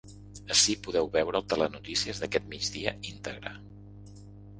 Ací podeu veure el ‘Telenotícies’ d’aquest migdia íntegre.